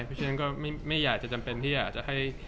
เพราะฉะนั้นก็ไม่อยากจะจำเป็นที่อยากจะให้